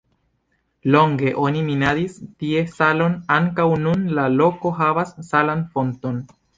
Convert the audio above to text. Longe oni minadis tie salon, ankaŭ nun la loko havas salan fonton.